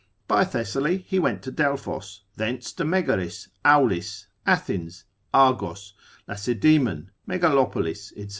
By Thessaly he went to Delphos, thence to Megaris, Aulis, Athens, Argos, Lacedaemon, Megalopolis, &c.